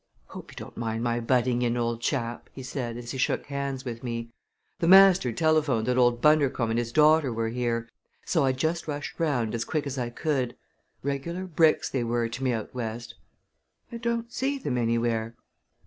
"Hope you don't mind my butting in, old chap!" he said as he shook hands with me. "The mater telephoned that old Bundercombe and his daughter were here, so I just rushed round as quick as I could. Regular bricks they were to me out West! I don't see them anywhere."